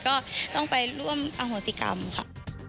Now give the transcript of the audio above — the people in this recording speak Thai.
ก็ต้องไปร่วมอโหสิกรรมค่ะ